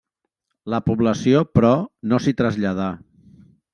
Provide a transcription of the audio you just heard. La població, però, no s'hi traslladà.